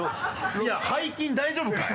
いや背筋大丈夫かい？